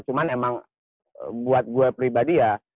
cuman emang buat gue pribadi ya